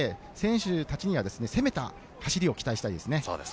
選手たちには攻めた走りを期待したいですね。